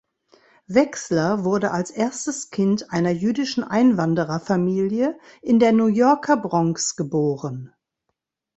Wexler wurde als erstes Kind einer jüdischen Einwanderer-Familie in der New Yorker Bronx geboren.